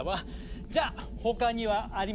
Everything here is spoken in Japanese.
じゃあ他にはありませんか？